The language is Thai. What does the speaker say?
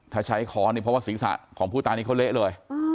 ถ้าใช้คอนี่เพราะว่าศีรษะของผู้ตายนี้เขาเละเลย